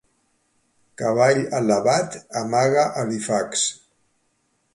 Cavall alabat, amaga alifacs.